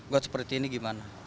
buat seperti ini gimana